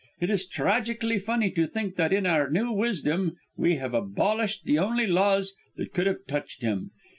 It is tragically funny to think that in our new wisdom we have abolished the only laws that could have touched him!